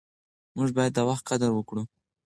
موږ باید د وخت قدر وکړو.